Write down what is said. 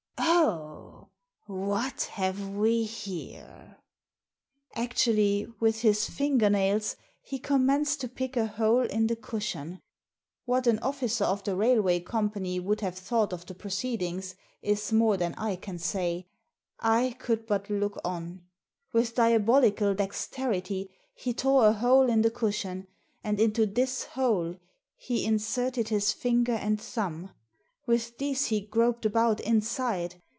" Oh ! What have we here ?" Actually, with his finger nails, he commenced to pick a hole in the cushion. What an officer of the railway company would have thought of the pro ceedings is more than I can say. I could but look on. With diabolical dexterity he tore a hole in the cushion, and into this hole he inserted his finger and thumb. With these he groped about inside.